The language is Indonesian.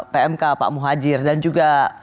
pmk pak muhajir dan juga